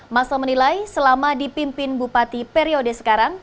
masa menilai selama dipimpin bupati periode sekarang